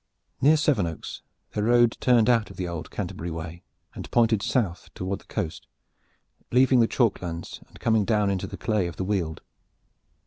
Near Sevenoaks their road turned out of the old Canterbury way and pointed south toward the coast, leaving the chalk lands and coming down into the clay of the Weald.